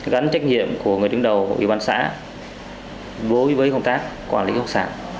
gắn trách nhiệm của người đứng đầu của ủy ban xã với công tác quản lý khoáng sản